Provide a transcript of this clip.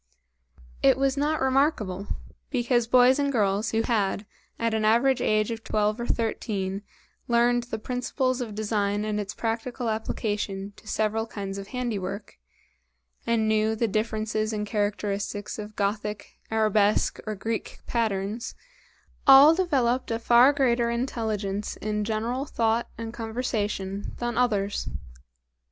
It was not remarkable, because boys and girls who had, at an average age of twelve or thirteen, learned the principles of design and its practical application to several kinds of handiwork, and knew the differences and characteristics of Gothic, Arabesque, or Greek patterns, all developed a far greater intelligence in general thought and conversation than others.